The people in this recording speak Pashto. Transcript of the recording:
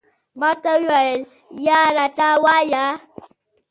ما ورته وویل، یا راته ووایه.